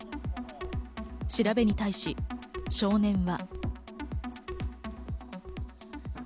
調べに対し少年は。